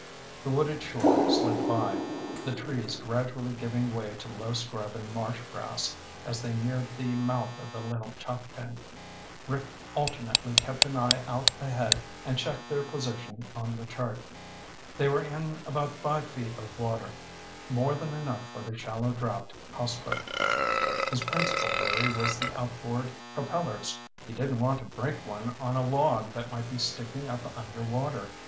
The wooded shore slid by, the trees gradually giving way to low scrub and marsh grass as they neared the mouth of the Little Choptank. Rick alternately kept an eye out ahead and checked their position on the chart. They were in about five feet of water, more than enough for the shallow draft houseboat. His principal worry was the outboard propellers. He didn't want to break one on a log that might be sticking up underwater.